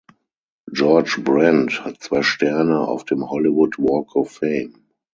George Brent hat zwei Sterne auf dem Hollywood Walk of Fame.